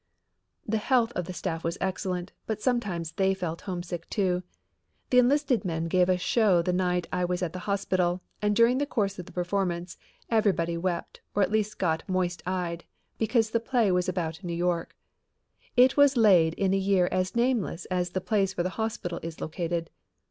The health of the staff was excellent, but sometimes they felt homesick, too. The enlisted men gave a show the night I was at the hospital and during the course of the performance everybody wept or at least got moist eyed because the play was about New York. It was laid in a year as nameless as the place where the hospital is located.